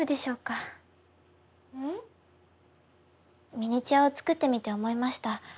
ミニチュアを作ってみて思いました。